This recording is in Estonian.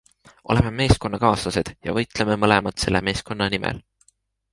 Oleme meeskonnakaaslased ja võitleme mõlemad selle meeskonna nimel.